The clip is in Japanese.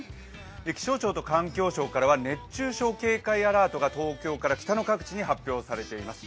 気象庁と環境省からは熱中症警戒アラートが東京から北の各地に発表されています。